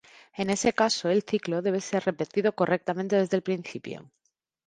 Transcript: En ese caso, el ciclo debe ser repetido correctamente desde el principio.